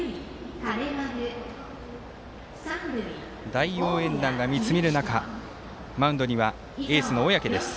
大応援団が見つめる中マウンドにはエースの小宅です。